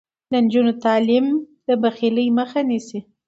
د نجونو تعلیم د بخیلۍ مخه نیسي.